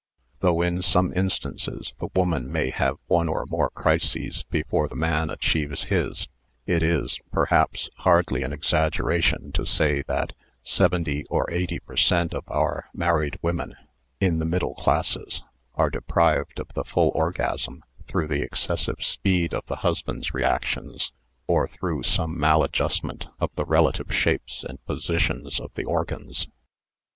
Though in some instances the woman may have one or more crises before the man achieves his, it is, perhaps, hardly an exaggeration to say that 70 or 80 per cent, of our married women (in the middle classes) are deprived of the full orgasm through the excessive speed of the husband's reactions, or through some mal adjustment of the relative shapes and positions of the organs.